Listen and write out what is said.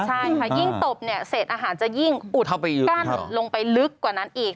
ใช่ค่ะยิ่งตบเนี่ยเศษอาหารจะยิ่งอุดกั้นลงไปลึกกว่านั้นอีก